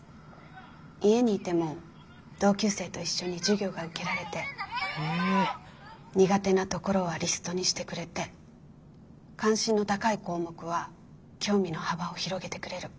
家にいても同級生と一緒に授業が受けられて苦手なところはリストにしてくれて関心の高い項目は興味の幅を広げてくれる。